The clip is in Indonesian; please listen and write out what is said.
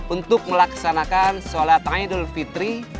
untuk melaksanakan sholat idul fitri